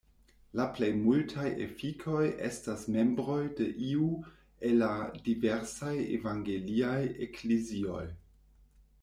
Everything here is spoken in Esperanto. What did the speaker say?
La plej multaj efikoj estas membroj de iu el la diversaj evangeliaj eklezioj.